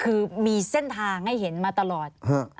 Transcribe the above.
คือมีเส้นทางให้เห็นมาตลอด